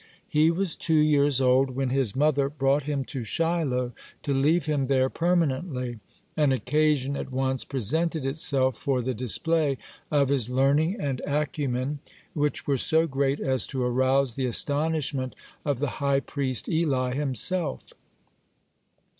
He was two years old when his mother brought him to Shiloh to leave him there permanently. An occasion at once presented itself for the display of his learning and acumen, which were so great as to arouse the astonishment of the high priest Eli himself.